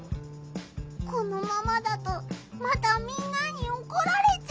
このままだとまたみんなにおこられちゃうよ！